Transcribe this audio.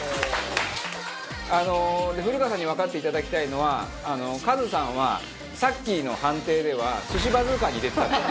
古川さんにわかっていただきたいのはカズさんはさっきの判定では寿司バズーカに入れてたという。